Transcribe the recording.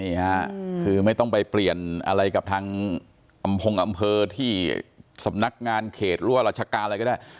นี่ค่ะคือไม่ต้องไปเปลี่ยนอะไรกับทางอำพงอำเภอที่สำนักงานเขตหรือว่าราชการอะไรก็ได้